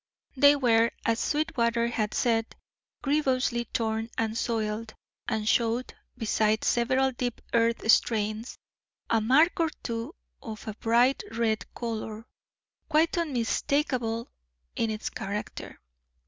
They were, as Sweetwater had said, grievously torn and soiled, and showed, beside several deep earth stains, a mark or two of a bright red colour, quite unmistakable in its character.